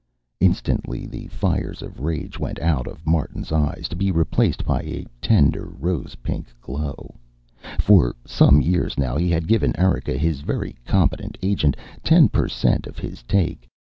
Instantly the fires of rage went out of Martin's eyes, to be replaced by a tender, rose pink glow. For some years now he had given Erika, his very competent agent, ten percent of his take.